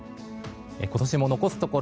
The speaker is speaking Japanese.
今年も残すところ